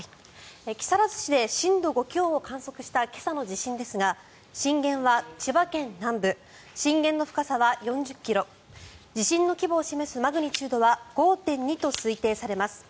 木更津市で震度５強を観測した今朝の地震ですが震源は千葉県南部震源の深さは４０ｋｍ地震の規模を示すマグニチュードは５．２と推定されます。